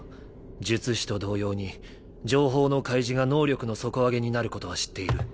術師と同様に情報の開示が能力の底上げになることは知っている。